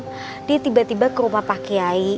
dia tiba tiba ke rumah pak kiai